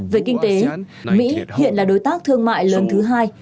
về kinh tế mỹ hiện là đối tác thương mại lớn thứ hai